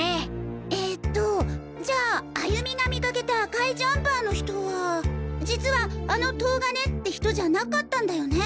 えとじゃあ歩美が見かけた赤いジャンパーの人は実はあの東金って人じゃなかったんだよね？